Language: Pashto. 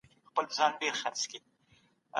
د شرکتونو د پرمختګ لپاره ملاتړ اړین دی.